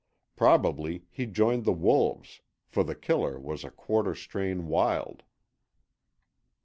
Probably he joined the wolves, for The Killer was a quarter strain wild.